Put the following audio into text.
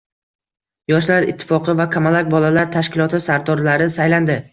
Yoshlar ittifoqi va “Kamalak” bolalar tashkiloti sardorlari saylandi